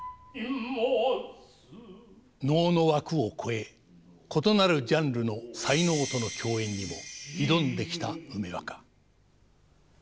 能の枠を越え異なるジャンルの才能との共演にも挑んできた梅若。